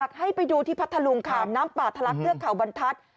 อยากให้ไปดูที่พัทลุงขามน้ำป่าทะลักษณ์เทือกเขาบรรทัศน์